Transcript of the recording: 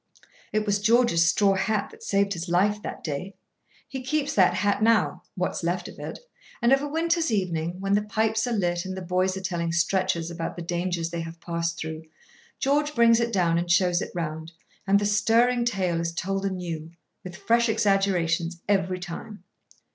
It was George's straw hat that saved his life that day. He keeps that hat now (what is left of it), and, of a winter's evening, when the pipes are lit and the boys are telling stretchers about the dangers they have passed through, George brings it down and shows it round, and the stirring tale is told anew, with fresh exaggerations every time.